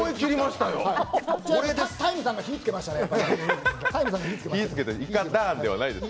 タイムさんが火つけましたね。